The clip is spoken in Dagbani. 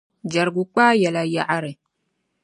Jɛrigu kpaai yɛla yaɣiri.